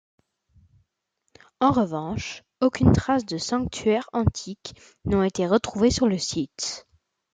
En revanche, aucune traces de sanctuaires antiques n'ont été trouvées sur le site.